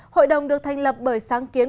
hội đồng được thành lập bởi sáng kiến